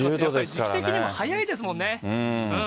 時期的にも早いですもんね。